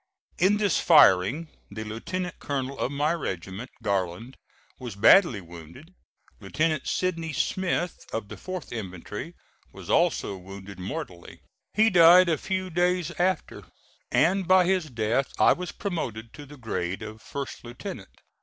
In this firing the lieutenant colonel of my regiment, Garland, was badly wounded, Lieutenant Sidney Smith, of the 4th infantry, was also wounded mortally. He died a few days after, and by his death I was promoted to the grade of first lieutenant.